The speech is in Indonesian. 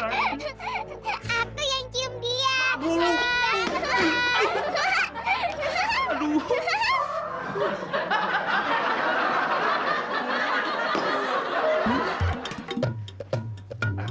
aku yang cium dia san